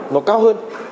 nó cao hơn